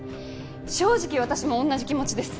正直私も同じ気持ちです。